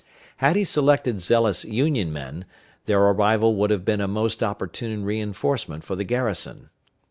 Had he selected zealous Union men, their arrival would have been a most opportune re enforcement for the garrison.